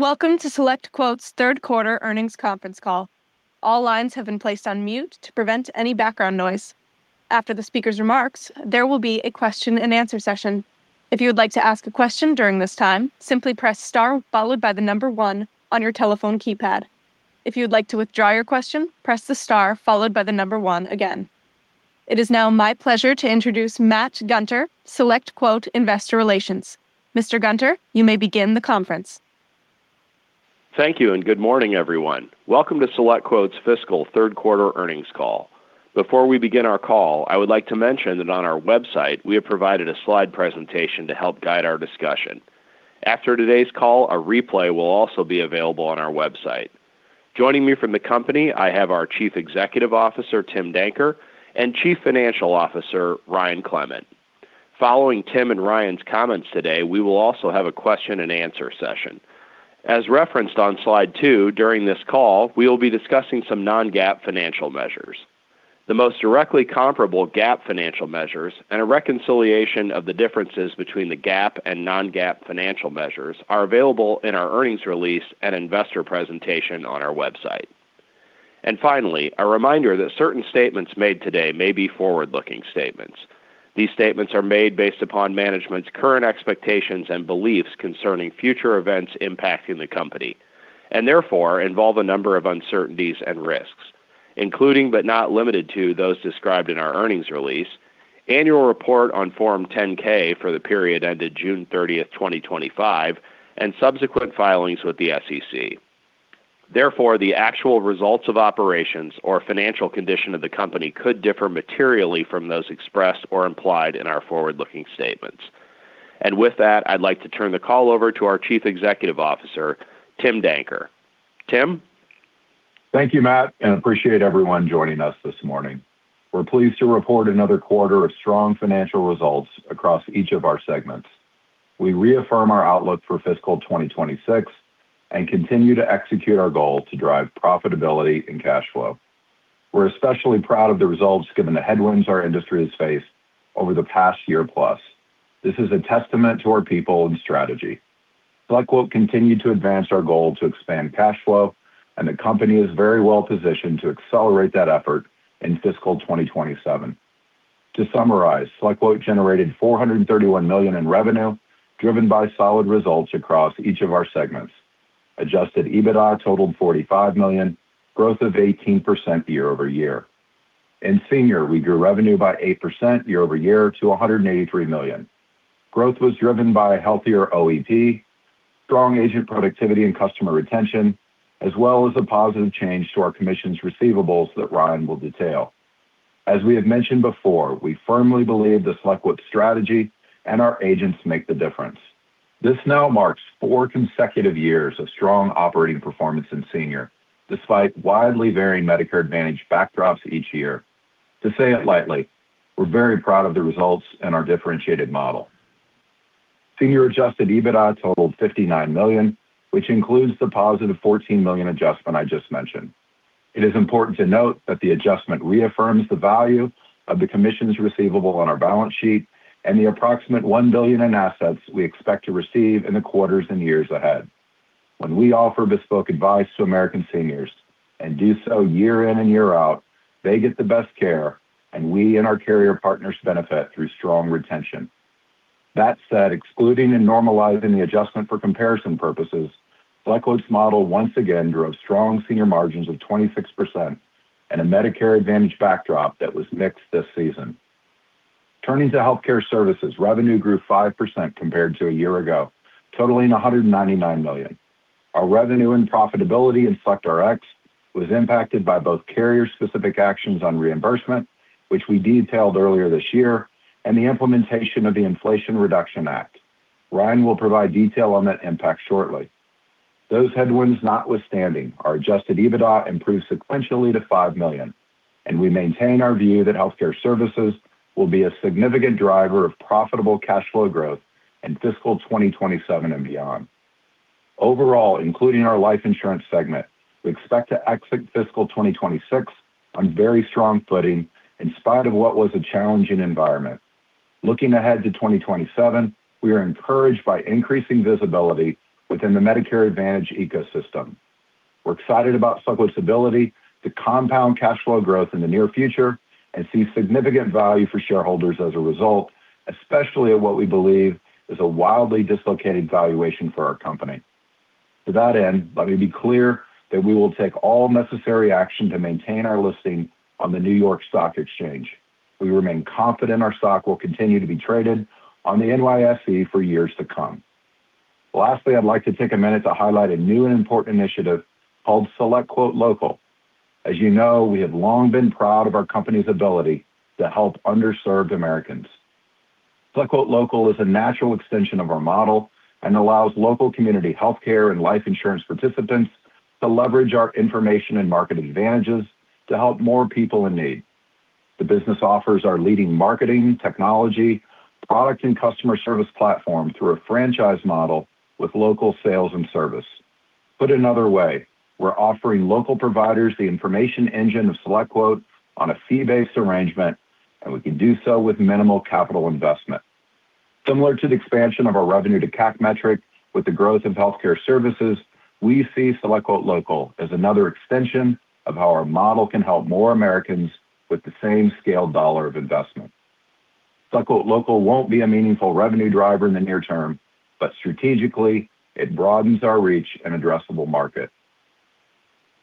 Welcome to SelectQuote's third quarter earnings conference call. All lines have been placed on mute to prevent any background noise. After the speaker's remarks, there will be a question and answer session. If you would like to ask a question during this time, simply press star followed by the number one on your telephone keypad. If you would like to withdraw your question, press the star followed by the number one again. It is now my pleasure to introduce Matthew Gunter, SelectQuote Investor Relations. Mr. Gunter, you may begin the conference. Thank you, good morning, everyone. Welcome to SelectQuote's Fiscal Third Quarter Earnings Call. Before we begin our call, I would like to mention that on our website, we have provided a slide presentation to help guide our discussion. After today's call, a replay will also be available on our website. Joining me from the company, I have our Chief Executive Officer, Tim Danker, and Chief Financial Officer, Ryan Clement. Following Tim and Ryan's comments today, we will also have a question and answer session. As referenced on slide two, during this call, we will be discussing some non-GAAP financial measures. The most directly comparable GAAP financial measures and a reconciliation of the differences between the GAAP and non-GAAP financial measures are available in our earnings release and investor presentation on our website. Finally, a reminder that certain statements made today may be forward-looking statements. These statements are made based upon management's current expectations and beliefs concerning future events impacting the company, and therefore involve a number of uncertainties and risks, including but not limited to those described in our earnings release, annual report on Form 10-K for the period ended June 30, 2025, and subsequent filings with the SEC. Therefore, the actual results of operations or financial condition of the company could differ materially from those expressed or implied in our forward-looking statements. With that, I'd like to turn the call over to our Chief Executive Officer, Tim Danker. Tim? Thank you, Matt. Appreciate everyone joining us this morning. We're pleased to report another quarter of strong financial results across each of our segments. We reaffirm our outlook for fiscal 2026 and continue to execute our goal to drive profitability and cash flow. We're especially proud of the results given the headwinds our industry has faced over the past year plus. This is a testament to our people and strategy. SelectQuote continued to advance our goal to expand cash flow, and the company is very well positioned to accelerate that effort in fiscal 2027. To summarize, SelectQuote generated $431 million in revenue, driven by solid results across each of our segments. Adjusted EBITDA totaled $45 million, growth of 18% year-over-year. In Senior, we grew revenue by 8% year-over-year to $183 million. Growth was driven by a healthier OEP, strong agent productivity and customer retention, as well as a positive change to our commissions receivables that Ryan will detail. As we have mentioned before, we firmly believe the SelectQuote strategy and our agents make the difference. This now marks four consecutive years of strong operating performance in senior, despite widely varying Medicare Advantage backdrops each year. To say it lightly, we're very proud of the results and our differentiated model. Senior Adjusted EBITDA totaled $59 million, which includes the positive $14 million adjustment I just mentioned. It is important to note that the adjustment reaffirms the value of the commissions receivable on our balance sheet and the approximate $1 billion in assets we expect to receive in the quarters and years ahead. When we offer bespoke advice to American seniors and do so year in and year out, they get the best care, and we and our carrier partners benefit through strong retention. That said, excluding and normalizing the adjustment for comparison purposes, SelectQuote's model once again drove strong senior margins of 26% and a Medicare Advantage backdrop that was mixed this season. Turning to healthcare services, revenue grew 5% compared to a year ago, totaling $199 million. Our revenue and profitability in SelectRx was impacted by both carrier-specific actions on reimbursement, which we detailed earlier this year, and the implementation of the Inflation Reduction Act. Ryan will provide detail on that impact shortly. Those headwinds notwithstanding, our Adjusted EBITDA improved sequentially to $5 million, and we maintain our view that healthcare services will be a significant driver of profitable cash flow growth in fiscal 2027 and beyond. Overall, including our life insurance segment, we expect to exit fiscal 2026 on very strong footing in spite of what was a challenging environment. Looking ahead to 2027, we are encouraged by increasing visibility within the Medicare Advantage ecosystem. We're excited about SelectQuote's ability to compound cash flow growth in the near future and see significant value for shareholders as a result, especially at what we believe is a wildly dislocated valuation for our company. To that end, let me be clear that we will take all necessary action to maintain our listing on the New York Stock Exchange. We remain confident our stock will continue to be traded on the NYSE for years to come. Lastly, I'd like to take a minute to highlight a new and important initiative called SelectQuote Local. As you know, we have long been proud of our company's ability to help underserved Americans. SelectQuote Local is a natural extension of our model and allows local community healthcare and life insurance participants to leverage our information and market advantages to help more people in need. The business offers our leading marketing, technology, product, and customer service platform through a franchise model with local sales and service. Put another way, we're offering local providers the information engine of SelectQuote on a fee-based arrangement, and we can do so with minimal capital investment. Similar to the expansion of our Revenue to CAC metric with the growth in healthcare services, we see SelectQuote Local as another extension of how our model can help more Americans with the same scaled dollar of investment. SelectQuote Local won't be a meaningful revenue driver in the near term. Strategically, it broadens our reach and addressable market.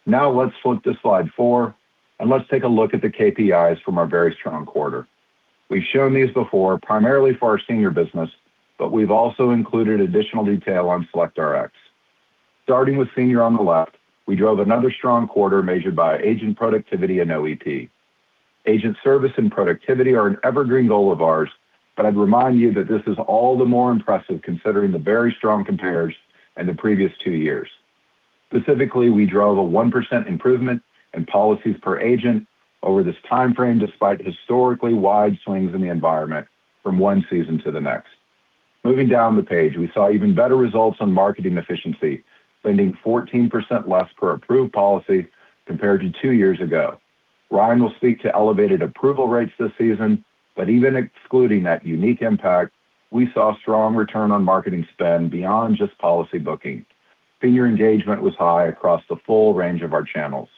Let's flip to slide four. Let's take a look at the KPIs from our very strong quarter. We've shown these before, primarily for our senior business, but we've also included additional detail on SelectRx. Starting with senior on the left, we drove another strong quarter measured by agent productivity and OEP. Agent service and productivity are an evergreen goal of ours. I'd remind you that this is all the more impressive considering the very strong compares in the previous two years. Specifically, we drove a 1% improvement in policies per agent over this timeframe, despite historically wide swings in the environment from one season to the next. Moving down the page, we saw even better results on marketing efficiency, spending 14% less per approved policy compared to two years ago. Ryan will speak to elevated approval rates this season, but even excluding that unique impact, we saw strong return on marketing spend beyond just policy booking. Senior engagement was high across the full range of our channels.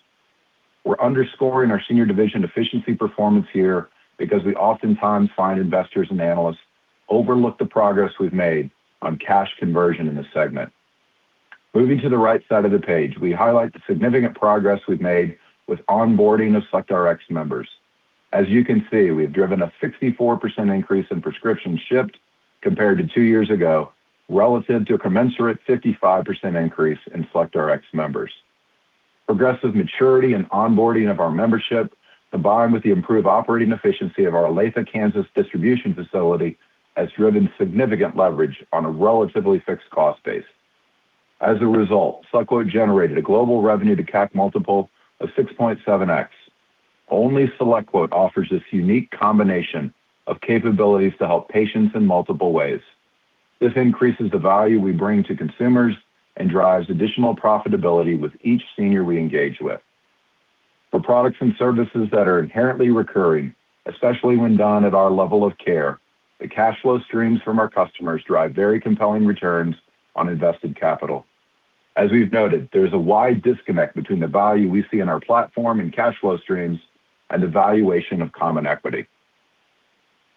We're underscoring our senior division efficiency performance here because we oftentimes find investors and analysts overlook the progress we've made on cash conversion in this segment. Moving to the right side of the page, we highlight the significant progress we've made with onboarding of SelectRx members. As you can see, we've driven a 64% increase in prescriptions shipped compared to 2 years ago, relative to a commensurate 55% increase in SelectRx members. Progressive maturity and onboarding of our membership, combined with the improved operating efficiency of our Olathe, Kansas, distribution facility, has driven significant leverage on a relatively fixed cost base. As a result, SelectQuote generated a global Revenue to CAC multiple of 6.7x. Only SelectQuote offers this unique combination of capabilities to help patients in multiple ways. This increases the value we bring to consumers and drives additional profitability with each senior we engage with. For products and services that are inherently recurring, especially when done at our level of care, the cash flow streams from our customers drive very compelling returns on invested capital. As we've noted, there's a wide disconnect between the value we see in our platform and cash flow streams and the valuation of common equity.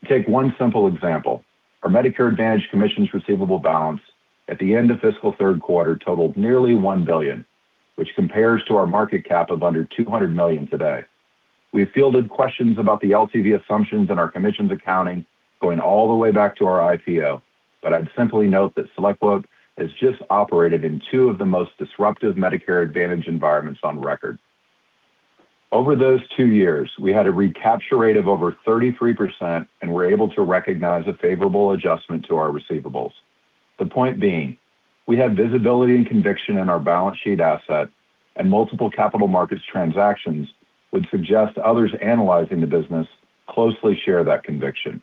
Take one simple example. Our Medicare Advantage commissions receivable balance at the end of fiscal third quarter totaled nearly $1 billion, which compares to our market cap of under $200 million today. We have fielded questions about the LTV assumptions in our commissions accounting going all the way back to our IPO, but I'd simply note that SelectQuote has just operated in two of the most disruptive Medicare Advantage environments on record. Over those two years, we had a recapture rate of over 33% and were able to recognize a favorable adjustment to our receivables. The point being, we have visibility and conviction in our balance sheet asset, and multiple capital markets transactions would suggest others analyzing the business closely share that conviction.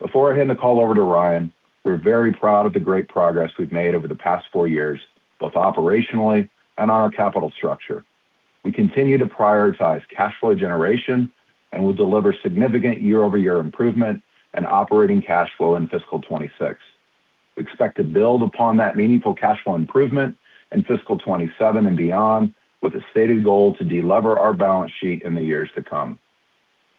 Before I hand the call over to Ryan, we're very proud of the great progress we've made over the past 4 years, both operationally and on our capital structure. We continue to prioritize cash flow generation and will deliver significant year-over-year improvement in operating cash flow in fiscal 2026. We expect to build upon that meaningful cash flow improvement in fiscal 2027 and beyond with a stated goal to de-lever our balance sheet in the years to come.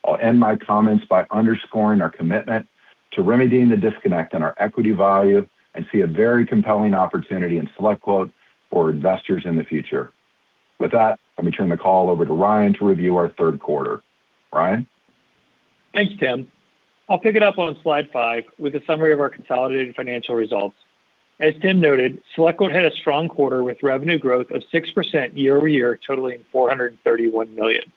I'll end my comments by underscoring our commitment to remedying the disconnect in our equity value and see a very compelling opportunity in SelectQuote for investors in the future. With that, let me turn the call over to Ryan to review our third quarter. Ryan? Thanks, Tim. I'll pick it up on slide 5 with a summary of our consolidated financial results. As Tim noted, SelectQuote had a strong quarter with revenue growth of 6% year-over-year, totaling $431 million.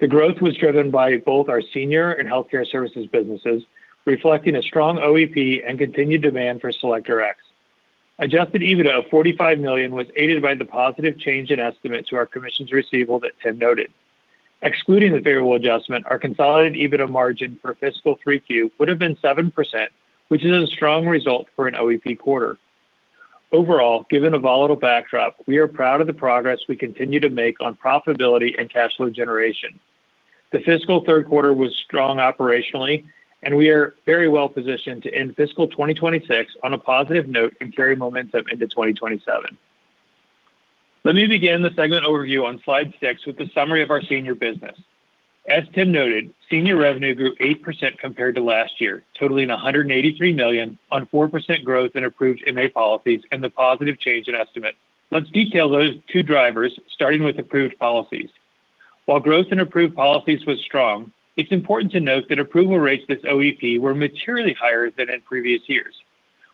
The growth was driven by both our senior and healthcare services businesses, reflecting a strong OEP and continued demand for SelectRx. Adjusted EBITDA of $45 million was aided by the positive change in estimate to our commissions receivable that Tim noted. Excluding the favorable adjustment, our consolidated EBITDA margin for fiscal 3Q would have been 7%, which is a strong result for an OEP quarter. Given a volatile backdrop, we are proud of the progress we continue to make on profitability and cash flow generation. The fiscal third quarter was strong operationally, and we are very well-positioned to end fiscal 2026 on a positive note and carry momentum into 2027. Let me begin the segment overview on slide 6 with a summary of our senior business. As Tim noted, senior revenue grew 8% compared to last year, totaling $183 million on 4% growth in approved MA policies and the positive change in estimate. Let's detail those two drivers, starting with approved policies. While growth in approved policies was strong, it's important to note that approval rates this OEP were materially higher than in previous years.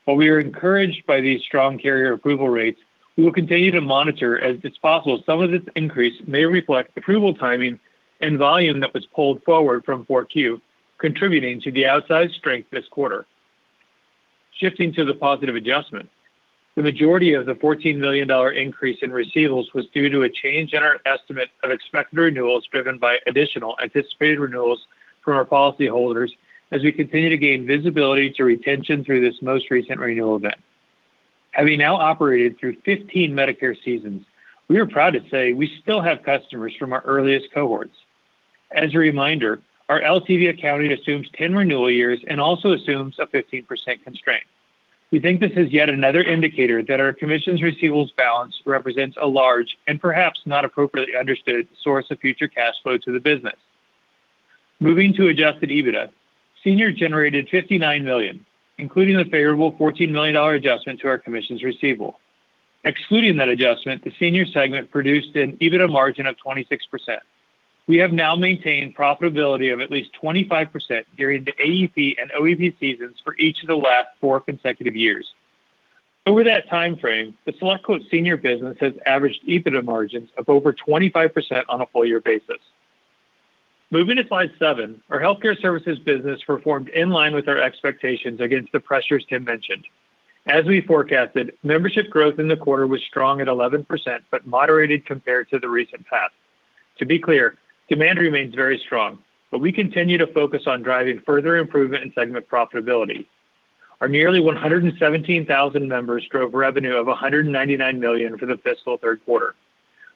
While we are encouraged by these strong carrier approval rates, we will continue to monitor as it's possible some of this increase may reflect approval timing and volume that was pulled forward from 4Q, contributing to the outsized strength this quarter. Shifting to the positive adjustment, the majority of the $14 million increase in receivables was due to a change in our estimate of expected renewals driven by additional anticipated renewals from our policyholders as we continue to gain visibility to retention through this most recent renewal event. Having now operated through 15 Medicare seasons, we are proud to say we still have customers from our earliest cohorts. As a reminder, our LTV accounting assumes 10 renewal years and also assumes a 15% constraint. We think this is yet another indicator that our commissions receivables balance represents a large and perhaps not appropriately understood source of future cash flow to the business. Moving to Adjusted EBITDA, Senior generated $59 million, including the favorable $14 million adjustment to our commissions receivable. Excluding that adjustment, the Senior segment produced an EBITDA margin of 26%. We have now maintained profitability of at least 25% during the AEP and OEP seasons for each of the last 4 consecutive years. Over that timeframe, the SelectQuote Senior business has averaged EBITDA margins of over 25% on a full year basis. Moving to slide 7, our healthcare services business performed in line with our expectations against the pressures Tim mentioned. As we forecasted, membership growth in the quarter was strong at 11% but moderated compared to the recent past. To be clear, demand remains very strong, but we continue to focus on driving further improvement in segment profitability. Our nearly 117,000 members drove revenue of $199 million for the fiscal third quarter.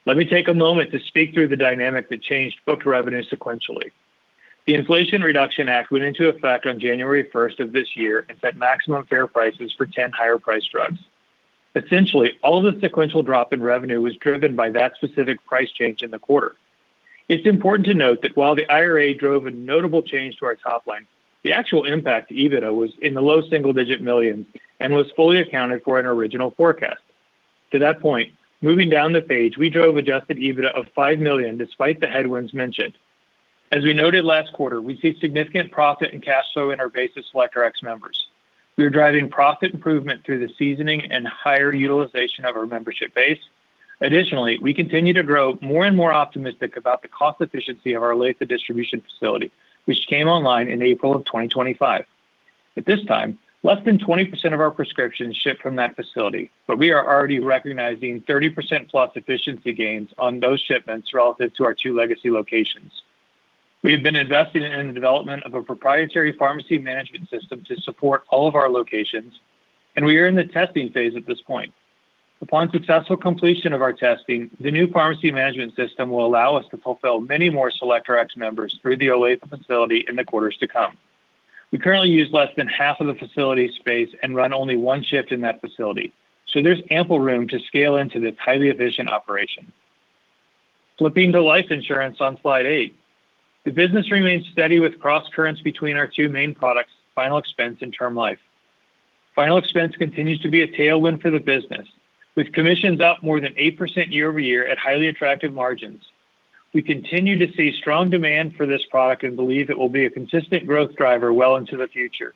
Let me take a moment to speak through the dynamic that changed booked revenue sequentially. The Inflation Reduction Act went into effect on January 1st of this year and set maximum fair prices for 10 higher-priced drugs. Essentially, all of the sequential drop in revenue was driven by that specific price change in the quarter. It is important to note that while the IRA drove a notable change to our top line, the actual impact to EBITDA was in the low single-digit millions and was fully accounted for in our original forecast. To that point, moving down the page, we drove Adjusted EBITDA of $5 million despite the headwinds mentioned. As we noted last quarter, we see significant profit and cash flow in our base of SelectRx members. We are driving profit improvement through the seasoning and higher utilization of our membership base. Additionally, we continue to grow more and more optimistic about the cost efficiency of our Olathe distribution facility, which came online in April of 2025. At this time, less than 20% of our prescriptions ship from that facility, but we are already recognizing 30% plus efficiency gains on those shipments relative to our two legacy locations. We have been investing in the development of a proprietary pharmacy management system to support all of our locations, and we are in the testing phase at this point. Upon successful completion of our testing, the new pharmacy management system will allow us to fulfill many more SelectRx members through the Olathe facility in the quarters to come. We currently use less than half of the facility's space and run only one shift in that facility, so there's ample room to scale into this highly efficient operation. Flipping to life insurance on slide eight. The business remains steady with crosscurrents between our two main products, final expense and term life. Final expense continues to be a tailwind for the business. With commissions up more than 8% year-over-year at highly attractive margins. We continue to see strong demand for this product and believe it will be a consistent growth driver well into the future.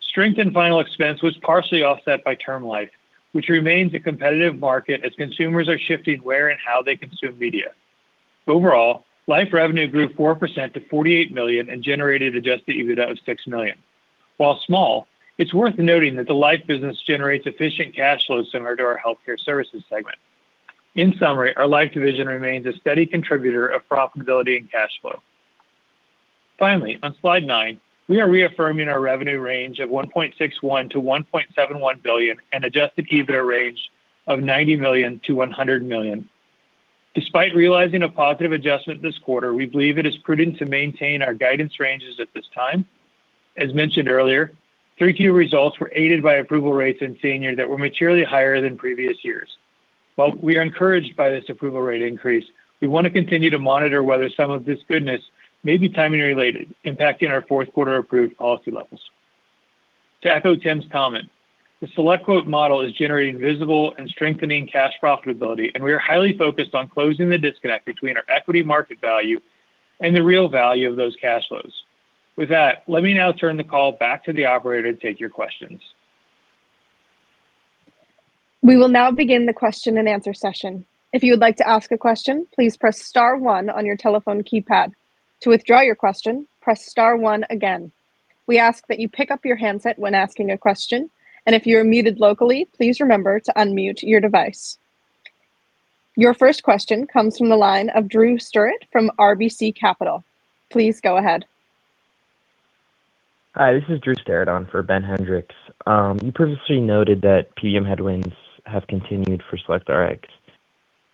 Strength in final expense was partially offset by term life, which remains a competitive market as consumers are shifting where and how they consume media. Overall, life revenue grew 4% to $48 million and generated Adjusted EBITDA of $6 million. While small, it's worth noting that the life business generates efficient cash flows similar to our healthcare services segment. In summary, our life division remains a steady contributor of profitability and cash flow. Finally, on slide 9, we are reaffirming our revenue range of $1.61 billion to $1.71 billion and Adjusted EBITDA range of $90 million to $100 million. Despite realizing a positive adjustment this quarter, we believe it is prudent to maintain our guidance ranges at this time. As mentioned earlier, 3Q results were aided by approval rates in Senior that were materially higher than previous years. While we are encouraged by this approval rate increase, we want to continue to monitor whether some of this goodness may be timing related, impacting our fourth quarter approved policy levels. To echo Tim's comment, the SelectQuote model is generating visible and strengthening cash profitability, and we are highly focused on closing the disconnect between our equity market value and the real value of those cash flows. With that, let me now turn the call b`ack to the operator to take your questions. We will now begin the question and answer session. If you would like to ask a question, please press Star 1 on your telephone keypad. To withdraw your question, press, Star 1 again. We ask you to pick up your headset when asking a question and if you are muted locally, press your number to unmute your device. Your first question comes from the line of Christopher J. Drew from RBC Capital Markets. Please go ahead. Hi, this is Christopher J. Drew on for Ben Hendrix. You previously noted that PBM headwinds have continued for SelectRx.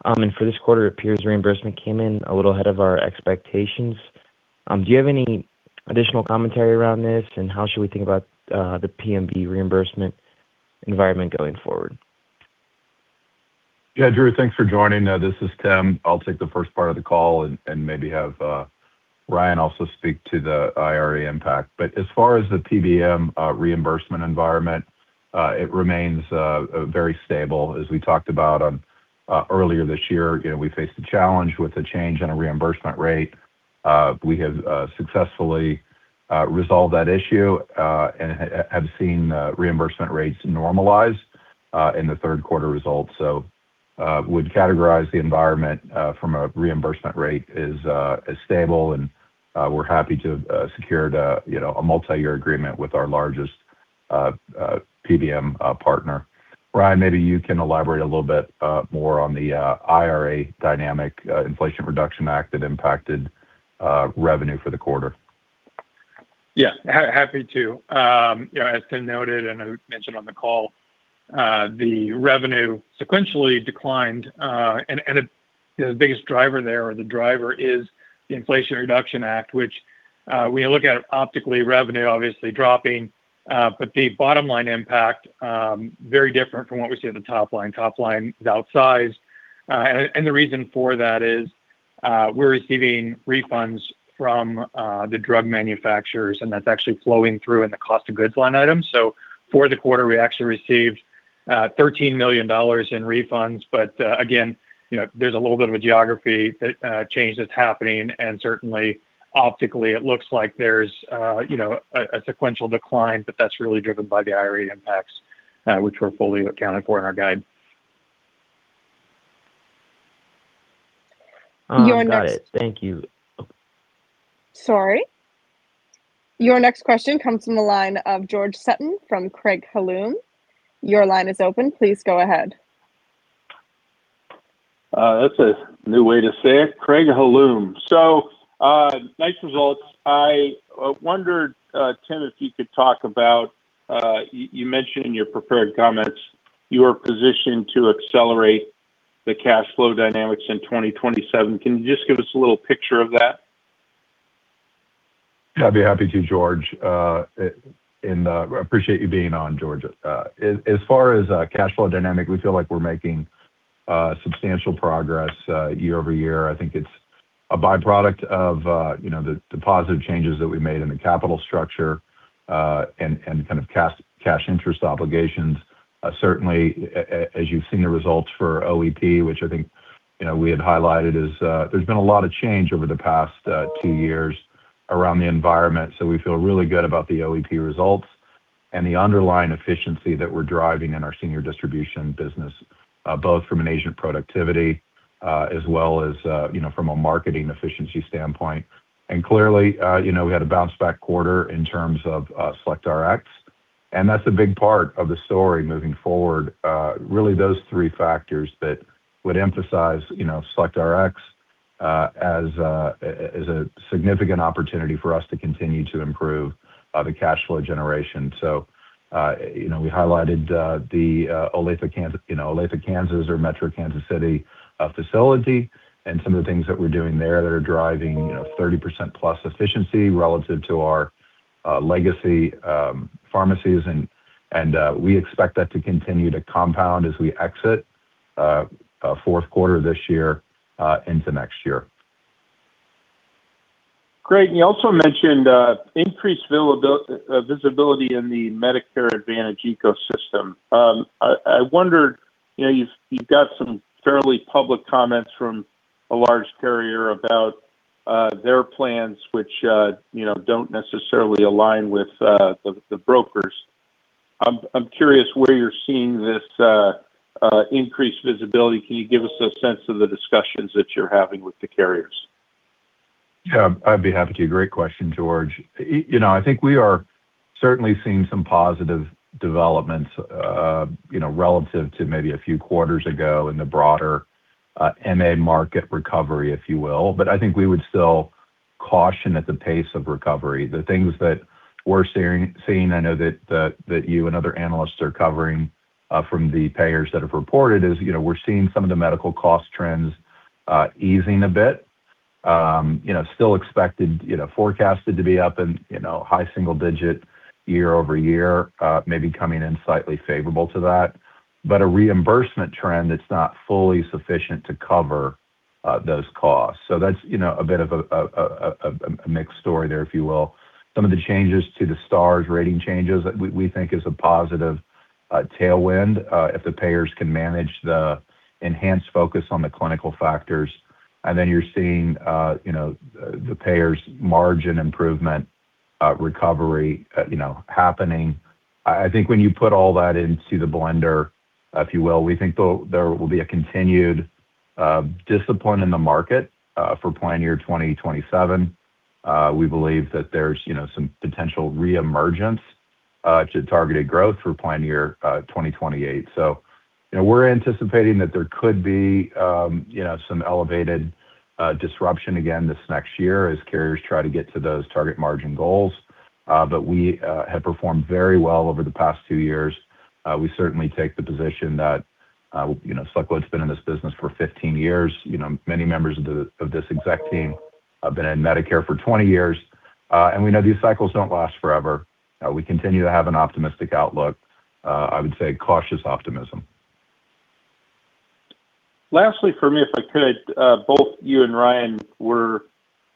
For this quarter, it appears reimbursement came in a little ahead of our expectations. Do you have any additional commentary around this, and how should we think about the PBM reimbursement environment going forward? Yeah, Drew, thanks for joining. This is Tim. I'll take the first part of the call and maybe have Ryan also speak to the IRA impact. As far as the PBM reimbursement environment, it remains very stable. As we talked about earlier this year, you know, we faced a challenge with a change in a reimbursement rate. We have successfully resolved that issue and have seen reimbursement rates normalize in the third quarter results. Would categorize the environment from a reimbursement rate is stable, and we're happy to have secured a, you know, a multi-year agreement with our largest PBM partner. Ryan, maybe you can elaborate a little bit more on the IRA dynamic, Inflation Reduction Act that impacted revenue for the quarter. Yeah. Happy to. You know, as Tim noted and mentioned on the call, the revenue sequentially declined, and the, you know, the biggest driver there, or the driver is the Inflation Reduction Act, which, when you look at optically, revenue obviously dropping. The bottom line impact, very different from what we see on the top line. Top line is outsized. The reason for that is, we're receiving refunds from the drug manufacturers, and that's actually flowing through in the cost of goods line item. For the quarter, we actually received $13 million in refunds. Again, you know, there's a little bit of a geography that change that's happening. Certainly, optically it looks like there's, you know, a sequential decline, but that's really driven by the IRA impacts, which were fully accounted for in our guide. Got it. Thank you. Sorry. Your next question comes from the line of George Sutton from Craig-Hallum. That's a new way to say it, Craig-Hallum. Nice results. I wonder, Tim, if you could talk about, you mentioned in your prepared comments you are positioned to accelerate the cash flow dynamics in 2027. Can you just give us a little picture of that? I'd be happy to, George. Appreciate you being on, George. As far as cash flow dynamic, we feel like we're making substantial progress year over year. I think it's a by-product of, you know, the positive changes that we made in the capital structure and kind of cash interest obligations. Certainly, as you've seen the results for OEP, which I think, you know, we had highlighted, is there's been a lot of change over the past two years around the environment. We feel really good about the OEP results and the underlying efficiency that we're driving in our senior distribution business, both from an agent productivity, as well as, you know, from a marketing efficiency standpoint. Clearly, you know, we had a bounce back quarter in terms of SelectRx, and that's a big part of the story moving forward. Really those three factors that would emphasize, you know, SelectRx as a significant opportunity for us to continue to improve the cash flow generation. You know, we highlighted the Olathe, Kansas or metro Kansas City facility, and some of the things that we're doing there that are driving, you know, 30% plus efficiency relative to our legacy pharmacies. We expect that to continue to compound as we exit fourth quarter this year into next year. Great. You also mentioned increased visibility in the Medicare Advantage ecosystem. I wondered, you know, you've got some fairly public comments from a large carrier about their plans, which, you know, don't necessarily align with the brokers. I'm curious where you're seeing this increased visibility. Can you give us a sense of the discussions that you're having with the carriers? Yeah, I'd be happy to. Great question, George. You know, I think we are certainly seeing some positive developments, you know, relative to maybe a few quarters ago in the broader MA market recovery, if you will. I think we would still caution at the pace of recovery. The things that we're seeing, I know that you and other analysts are covering, from the payers that have reported is, you know, we're seeing some of the medical cost trends easing a bit. You know, still expected, you know, forecasted to be up in, you know, high single-digit year-over-year, maybe coming in slightly favorable to that. A reimbursement trend that's not fully sufficient to cover those costs. That's, you know, a bit of a mixed story there, if you will. Some of the changes to the Stars rating changes, we think is a positive tailwind, if the payers can manage the enhanced focus on the clinical factors. You're seeing, you know, the payers margin improvement, recovery, you know, happening. I think when you put all that into the blender, if you will, we think there will be a continued discipline in the market for plan year 2027. We believe that there's, you know, some potential reemergence to targeted growth for plan year 2028. You know, we're anticipating that there could be, you know, some elevated disruption again this next year as carriers try to get to those target margin goals. But we have performed very well over the past two years. We certainly take the position that, you know, SelectQuote's been in this business for 15 years. You know, many members of this exec team have been in Medicare for 20 years, and we know these cycles don't last forever. We continue to have an optimistic outlook. I would say cautious optimism. Lastly for me, if I could, both you and Ryan were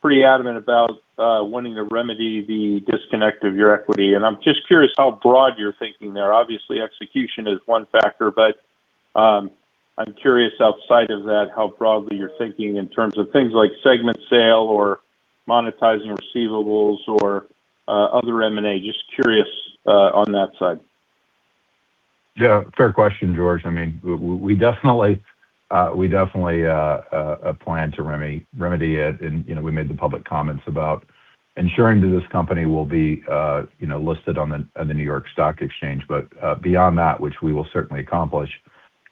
pretty adamant about wanting to remedy the disconnect of your equity. I'm just curious how broad you're thinking there. Obviously, execution is one factor. I'm curious outside of that, how broadly you're thinking in terms of things like segment sale or monetizing receivables or other M&A. Just curious on that side. Yeah, fair question, George. I mean, we definitely plan to remedy it. You know, we made the public comments about ensuring that this company will be listed on the New York Stock Exchange. Beyond that, which we will certainly accomplish,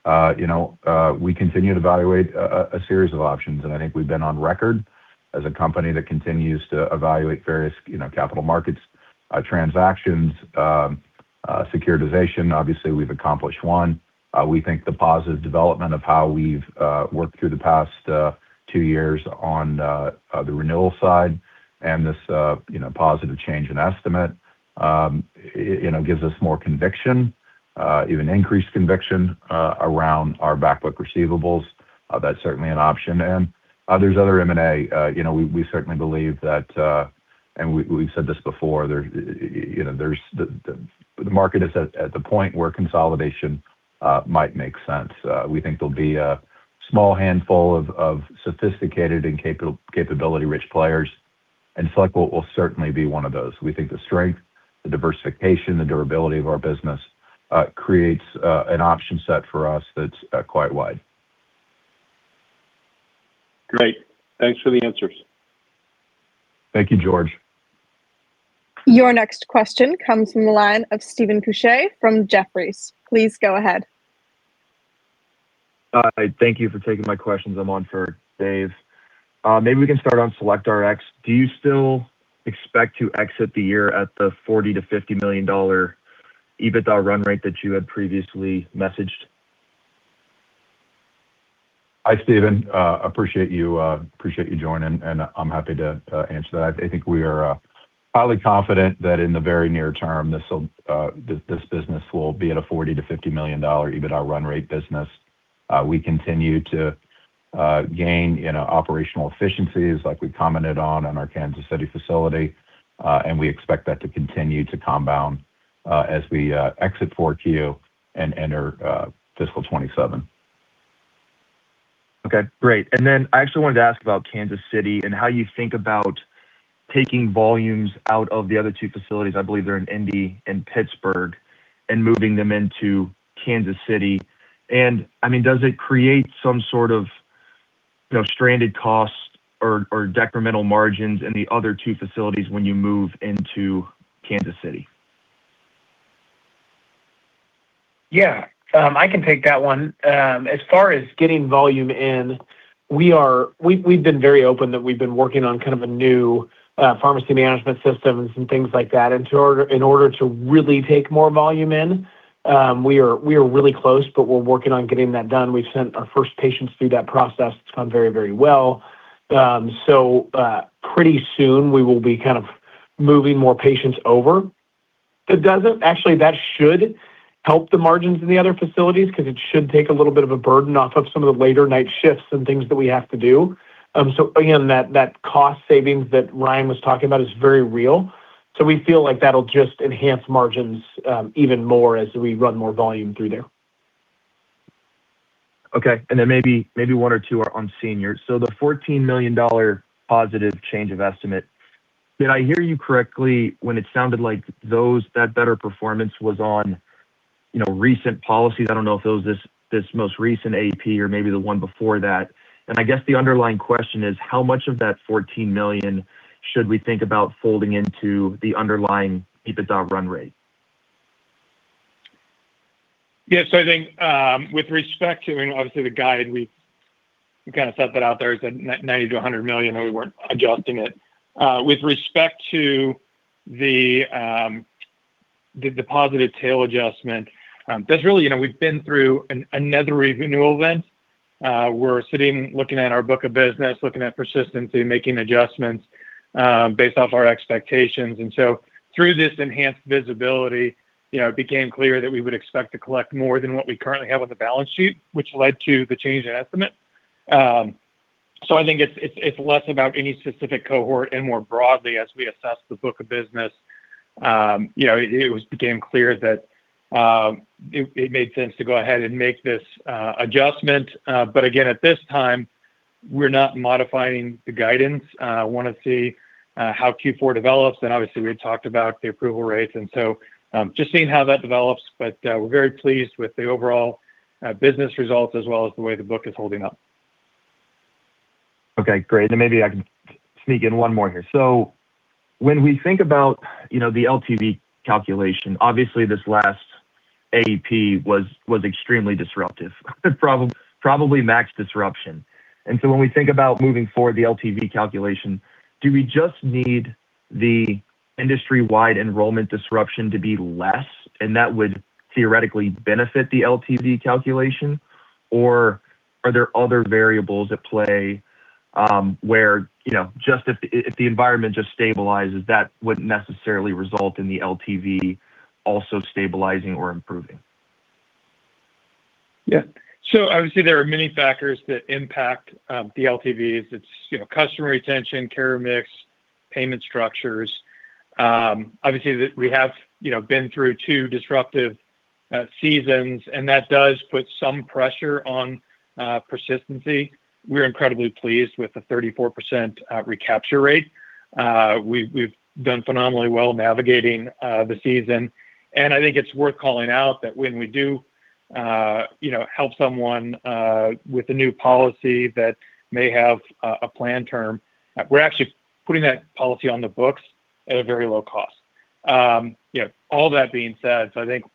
we continue to evaluate a series of options, and I think we've been on record as a company that continues to evaluate various capital markets transactions, securitization. Obviously, we've accomplished one. We think the positive development of how we've worked through the past 2 years on the renewal side and this positive change in estimate gives us more conviction, even increased conviction, around our back book receivables. That's certainly an option. There's other M&A. You know, we certainly believe that, and we've said this before, you know, the market is at the point where consolidation might make sense. We think there'll be a small handful of sophisticated and capability rich players, and SelectQuote will certainly be one of those. We think the strength, the diversification, the durability of our business creates an option set for us that's quite wide. Great. Thanks for the answers. Thank you, George. Your next question comes from the line of Steven Couche from Jefferies. Please go ahead. Hi, thank you for taking my questions. I'm on for Dave. Maybe we can start on SelectRx. Do you still expect to exit the year at the $40 million-$50 million EBITDA run rate that you had previously messaged? Hi, Steven. Appreciate you joining, and I'm happy to answer that. I think we are highly confident that in the very near term, this business will be at a $40 million-$50 million EBITDA run rate business. We continue to gain, you know, operational efficiencies like we commented on in our Kansas City facility, and we expect that to continue to compound as we exit 4Q and enter fiscal 2027. Okay, great. Then I actually wanted to ask about Kansas City and how you think about taking volumes out of the other two facilities, I believe they're in Indy and Pittsburgh, and moving them into Kansas City. I mean, does it create some sort of, you know, stranded cost or decremental margins in the other two facilities when you move into Kansas City? Yeah, I can take that one. As far as getting volume in, we've been very open that we've been working on kind of a new pharmacy management systems and things like that in order to really take more volume in. We are really close, but we're working on getting that done. We've sent our first patients through that process. It's gone very well. Pretty soon, we will be kind of moving more patients over. Actually, that should help the margins in the other facilities 'cause it should take a little bit of a burden off of some of the later night shifts and things that we have to do. Again, that cost savings that Ryan was talking about is very real. We feel like that'll just enhance margins, even more as we run more volume through there. Okay. Maybe one or two are on seniors. The $14 million positive change of estimate, did I hear you correctly when it sounded like that better performance was on, you know, recent policies? I don't know if it was this most recent AEP or maybe the one before that. I guess the underlying question is: how much of that $14 million should we think about folding into the underlying EBITDA run rate? Yeah. I think, with respect to, I mean, obviously the guide, we've kind of set that out there as a $90 million to $100 million, and we weren't adjusting it. With respect to the positive tail adjustment, that's really, you know, we've been through another renewal event. We're sitting, looking at our book of business, looking at persistency, making adjustments, based off our expectations. Through this enhanced visibility, you know, it became clear that we would expect to collect more than what we currently have on the balance sheet, which led to the change in estimate. I think it's, it's less about any specific cohort and more broadly as we assess the book of business. You know, it was became clear that it made sense to go ahead and make this adjustment. Again, at this time, we're not modifying the guidance. Wanna see how Q4 develops. Obviously, we had talked about the approval rates, just seeing how that develops. We're very pleased with the overall business results as well as the way the book is holding up. Okay, great. Maybe I can sneak in one more here. When we think about, you know, the LTV calculation, obviously this last AEP was extremely disruptive. Probably max disruption. When we think about moving forward the LTV calculation, do we just need the industry-wide enrollment disruption to be less, and that would theoretically benefit the LTV calculation? Are there other variables at play, where, you know, just if the environment just stabilizes, that wouldn't necessarily result in the LTV also stabilizing or improving? Obviously, there are many factors that impact the LTVs. It's, you know, customer retention, care mix, payment structures. Obviously, we have, you know, been through two disruptive seasons, and that does put some pressure on persistency. We're incredibly pleased with the 34% recapture rate We've done phenomenally well navigating the season, and I think it's worth calling out that when we do, you know, help someone with a new policy that may have a plan term, we're actually putting that policy on the books at a very low cost. You know, all that being said, I think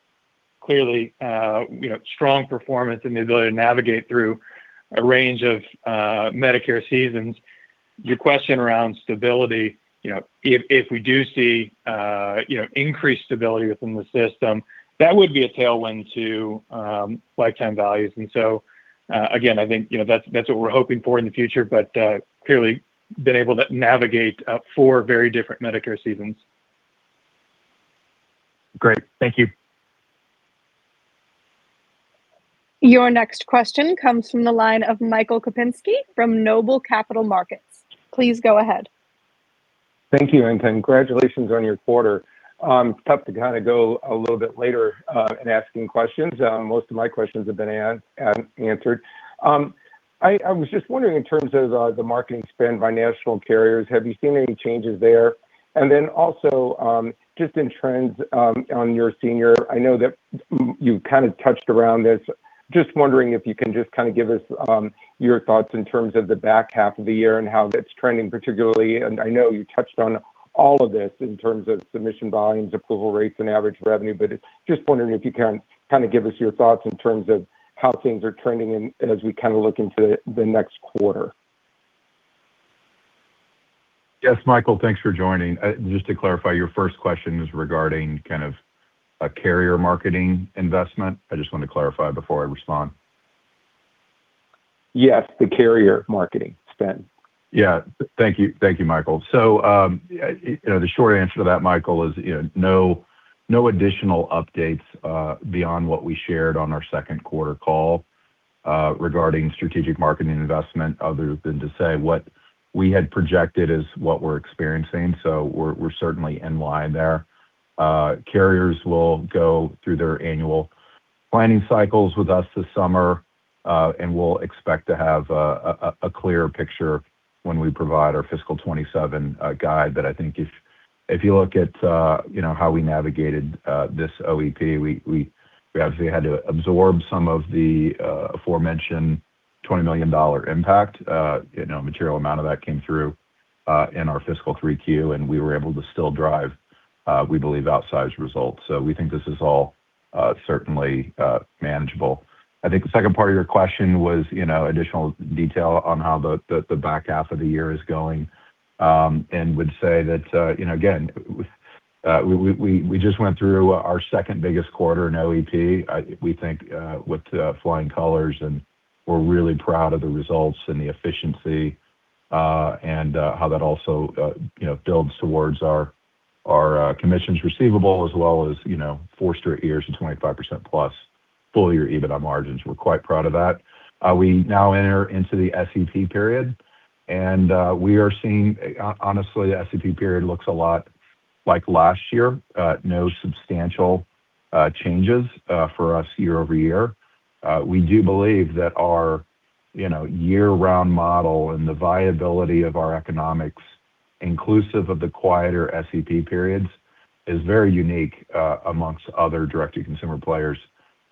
clearly, you know, strong performance and the ability to navigate through a range of Medicare seasons. Your question around stability, you know, if we do see, you know, increased stability within the system, that would be a tailwind to lifetime values. Again, I think, you know, that's what we're hoping for in the future, but clearly been able to navigate four very different Medicare seasons. Great. Thank you. Your next question comes from the line of Michael Kupinski from Noble Capital Markets. Please go ahead. Thank you, and congratulations on your quarter. Tough to kind of go a little bit later in asking questions. Most of my questions have been answered. I was just wondering in terms of the marketing spend by national carriers, have you seen any changes there? Also, just in trends on your senior, I know that you kind of touched around this. Just wondering if you can just kind of give us your thoughts in terms of the back half of the year and how that's trending particularly. I know you touched on all of this in terms of submission volumes, approval rates, and average revenue, but just wondering if you can kind of give us your thoughts in terms of how things are trending and as we kind of look into the next quarter. Yes, Michael, thanks for joining. Just to clarify, your first question is regarding kind of a carrier marketing investment? I just want to clarify before I respond. Yes, the carrier marketing spend. Yeah. Thank you. Thank you, Michael. You know, the short answer to that, Michael, is, you know, no additional updates beyond what we shared on our second quarter call regarding strategic marketing investment other than to say what we had projected is what we're experiencing. We're certainly in line there. Carriers will go through their annual planning cycles with us this summer, and we'll expect to have a clear picture when we provide our fiscal 2027 guide. I think if you look at, you know, how we navigated this OEP, we obviously had to absorb some of the aforementioned $20 million impact. You know, a material amount of that came through in our fiscal 3Q, and we were able to still drive, we believe, outsized results. We think this is all certainly manageable. I think the second part of your question was, you know, additional detail on how the back half of the year is going, and would say that, you know, again, we just went through our second-biggest quarter in OEP, I think, we think, with flying colors, and we're really proud of the results and the efficiency, and how that also, you know, builds towards our commissions receivable as well as, you know, four straight years of 25% plus full-year EBITDA margins. We're quite proud of that. We now enter into the SEP period, we are seeing, honestly, the SEP period looks a lot like last year. No substantial changes for us year-over-year. We do believe that our, you know, year-round model and the viability of our economics inclusive of the quieter SEP periods is very unique amongst other direct-to-consumer players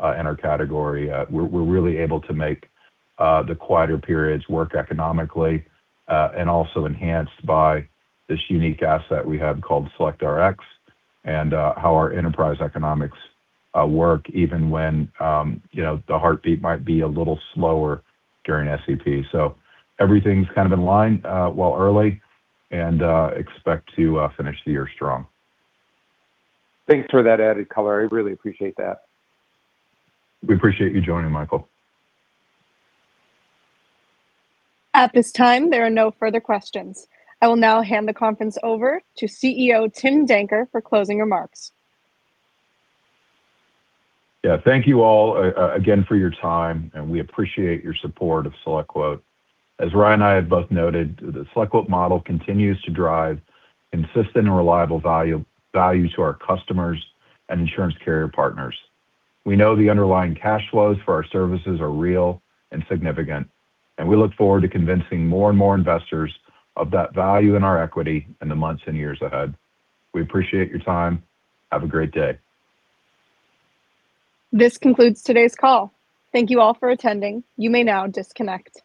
in our category. We're, we're really able to make the quieter periods work economically and also enhanced by this unique asset we have called SelectRx and how our enterprise economics work even when, you know, the heartbeat might be a little slower during SEP. Everything's kind of in line, well early, expect to finish the year strong. Thanks for that added color. I really appreciate that. We appreciate you joining, Michael. At this time, there are no further questions. I will now hand the conference over to CEO Tim Danker for closing remarks. Thank you all again for your time, and we appreciate your support of SelectQuote. As Ryan and I have both noted, the SelectQuote model continues to drive consistent and reliable value to our customers and insurance carrier partners. We know the underlying cash flows for our services are real and significant, and we look forward to convincing more and more investors of that value in our equity in the months and years ahead. We appreciate your time. Have a great day. This concludes today's call. Thank you all for attending. You may now disconnect.